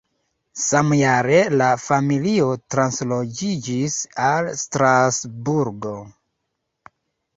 Samjare la familio transloĝiĝis al Strasburgo.